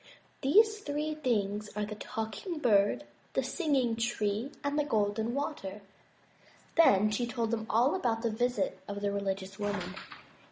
These three things are the Talking Bird, the Singing Tree, and the Golden Water." Then she told them all about the visit of the religious woman.